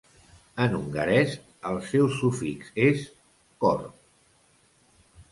En hongarès, el seu sufix és "-kor".